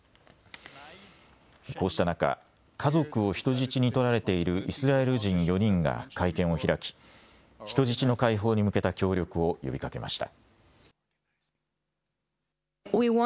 こうした中、家族を人質に取られているイスラエル人４人が会見を開き、人質の解放に向けた協力を呼びかけました。